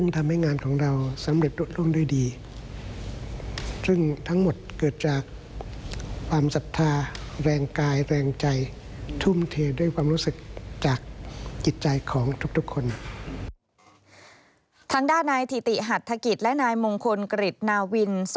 ทางด้านนายถิติหัทธกิจและนายมงคลกฤษนาวิน